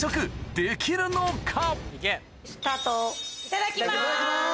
いただきます。